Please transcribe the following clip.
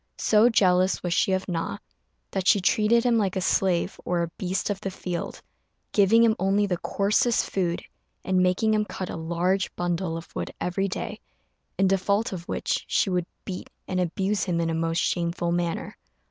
So jealous was she of Na, that she treated him like a slave or a beast of the field, giving him only the coarsest food, and making him cut a large bundle of wood every day, in default of which she would beat and abuse him in a most shameful manner.